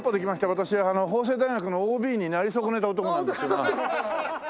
私法政大学のＯＢになり損ねた男なんですけれども。